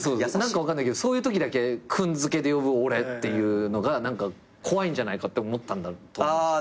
何か分かんないけどそういうときだけ君付けで呼ぶ俺っていうのが怖いんじゃないかって思ったんだと思う。